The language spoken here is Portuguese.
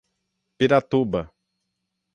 Piratuba